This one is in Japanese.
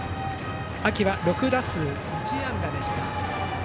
秋は６打数１安打でした。